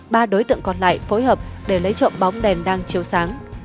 ba đối tượng còn lại phối hợp để lấy trộm bóng đèn đang chiếu sáng